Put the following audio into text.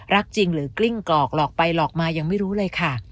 รักจริงหรือกลิ้งกรอกหลอกไปหลอกมายังไม่รู้เลยค่ะ